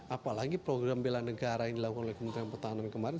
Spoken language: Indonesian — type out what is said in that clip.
apalagi program bela negara yang dilakukan oleh kementerian pertahanan kemarin